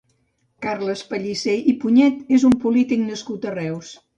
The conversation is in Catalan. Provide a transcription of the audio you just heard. Carles Pellicer i Punyed és un polític nascut a Reus.